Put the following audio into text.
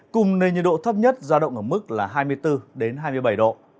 cùng nơi nhiệt độ thấp nhất ra động ở mức là hai mươi bốn hai mươi bảy độ